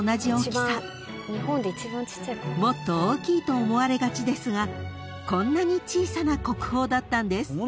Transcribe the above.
［もっと大きいと思われがちですがこんなに小さな国宝だったんです］